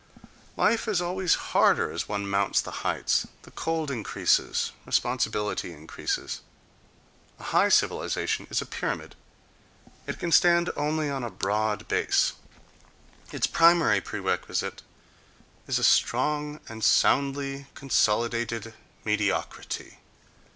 Life is always harder as one mounts the heights—the cold increases, responsibility increases. A high civilization is a pyramid: it can stand only on a broad base; its primary prerequisite is a strong and soundly consolidated mediocrity.